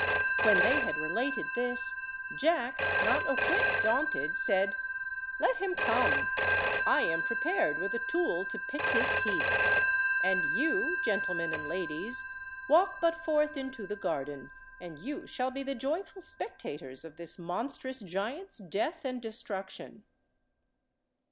When they had related this, Jack, not a whit daunted, said— "Let him come. I am prepared with a tool to pick his teeth. And you, gentlemen and ladies, walk but forth into the garden, and you shall be the joyful spectators of this monstrous giant's death and destruction."